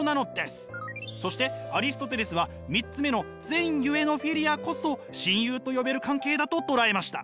そしてアリストテレスは３つ目の善ゆえのフィリアこそ親友と呼べる関係だと捉えました。